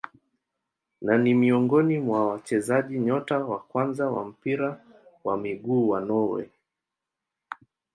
Na ni miongoni mwa wachezaji nyota wa kwanza wa mpira wa miguu wa Norway.